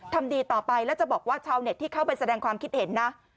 ทำดีต่อไปแล้วจะบอกว่าชาวเน็ตที่เข้าไปแสดงความคิดเห็นนะ